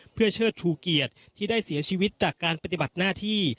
เพื่อเชิดชูเกียรติที่ได้เสียชีวิตจากการปฏิบัติหน้าที่